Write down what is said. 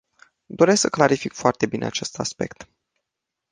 Doresc să clarific foarte bine acest aspect.